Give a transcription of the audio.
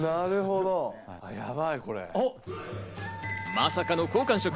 まさかの好感触。